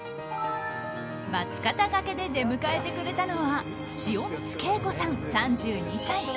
松方掛けで出迎えてくれたのは塩満恵子さん、３２歳。